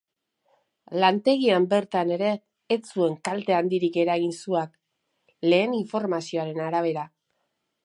Lantegian bertan ere ez zuen kalte handirik eragin suak, lehen informazioaren arabera.